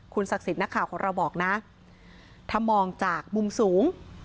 ศักดิ์สิทธิ์นักข่าวของเราบอกนะถ้ามองจากมุมสูง